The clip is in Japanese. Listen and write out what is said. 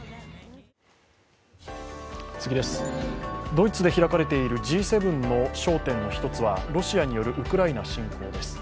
ドイツで開かれているＧ７の焦点の１つはロシアによるウクライナ侵攻です。